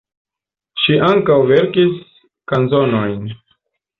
Ŝi ankaŭ verkis kanzonojn.